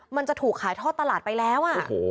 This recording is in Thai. มันจะถูกขายทอดตลาดไปแล้ว